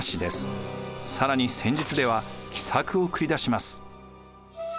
更に戦術では奇策を繰り出します。